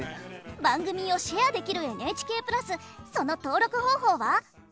番組をシェアできるＮＨＫプラスその登録方法は？